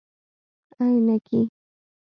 👓 عینکي